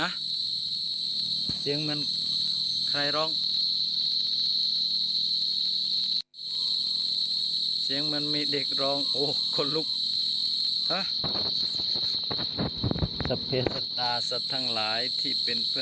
โหฟังดี